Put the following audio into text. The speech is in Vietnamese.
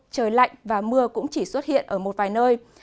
trời lạnh và mưa cũng chỉ xuất hiện ở một vài nơi